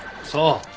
そう。